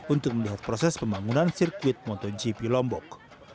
untuk melihat proses pembangunan sirkuit motogp lombok